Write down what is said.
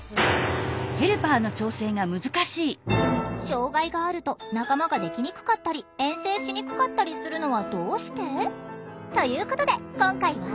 障害があると仲間ができにくかったり遠征しにくかったりするのはどうして？ということで今回は。